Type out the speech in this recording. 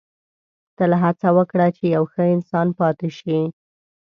• تل هڅه وکړه چې یو ښه انسان پاتې شې.